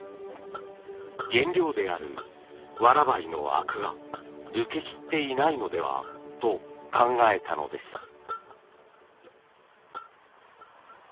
原料であるわら灰のあくが抜けきっていないのではと考えたのです。